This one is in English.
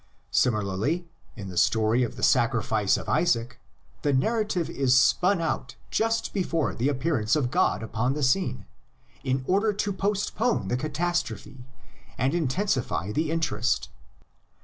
Sim ilarly in the story of the sacrifice of Isaac, the nar rative is spun out just before the appearance of God upon the scene, in order to postpone the catastrophe and intensify the interest.